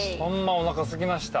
おなかすきました。